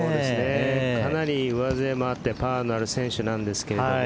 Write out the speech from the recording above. かなり上背もあってパワーのある選手なんですが。